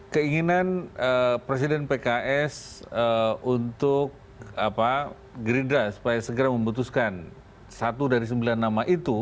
keinginan presiden pks untuk gerindra supaya segera memutuskan satu dari sembilan nama itu